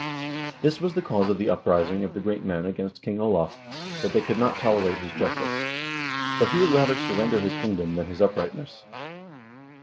This was the cause of the uprising of the great men against King Olav, that they could not tolerate his justice. But he would rather surrender his kingdom than his uprightness."